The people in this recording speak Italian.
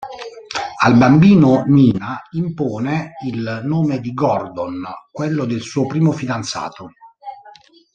Al bambino Nina impone il nome di Gordon, quello del suo primo fidanzato.